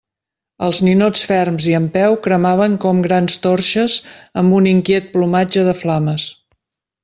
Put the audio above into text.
Els ninots ferms i en peu cremaven com grans torxes amb un inquiet plomatge de flames.